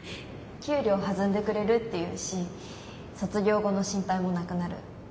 給料弾んでくれるっていうし卒業後の心配もなくなる。